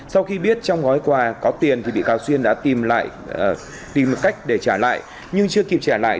sau khi biết trong gói quà có tiền thì bị cáo xuyên đã tìm cách để trả lại nhưng chưa kịp trả lại